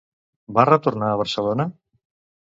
Va retornar a Barcelona?